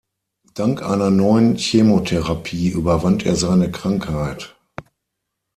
Dank einer neuen Chemotherapie überwand er seine Krankheit.